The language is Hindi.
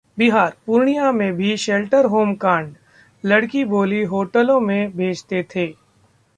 बिहारः पूर्णिया में भी शेल्टर होम कांड, लड़की बोली- होटलों में भेजते थे